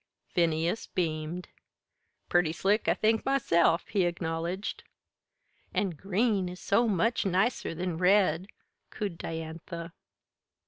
Phineas beamed. "Purty slick, I think myself," he acknowledged. "An' green is so much nicer than red," cooed Diantha.